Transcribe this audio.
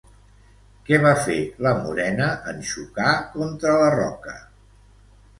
Què va fer la morena en xocar contra la roca?